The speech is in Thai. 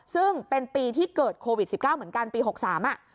ซึ่งเป็นปีที่เกิดโควิด๑๙เหมือนกันปี๖๓อ่ะ